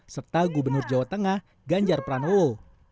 serta gubernur jawa tengah ganjar pranowo